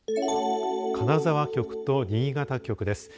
金沢局と新潟局です。